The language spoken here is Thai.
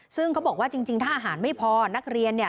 ซึ่งเขาบอกว่าจริงถ้าอาหารไม่พอนักเรียนเนี่ย